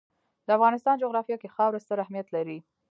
د افغانستان جغرافیه کې خاوره ستر اهمیت لري.